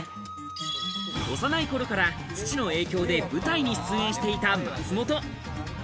幼い頃から父の影響で舞台に出演していた松本。